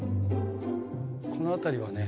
この辺りはね